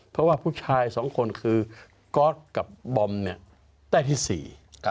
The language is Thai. เพราะว่าผู้ชาย๒คนคือก๊อตกับบอมได้ที่๔